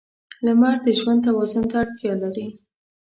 • لمر د ژوند توازن ته اړتیا لري.